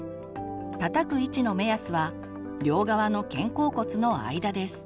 たたく位置の目安は両側の肩甲骨の間です。